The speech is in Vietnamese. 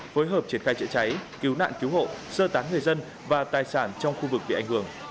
phối hợp triển khai chữa cháy cứu nạn cứu hộ sơ tán người dân và tài sản trong khu vực bị ảnh hưởng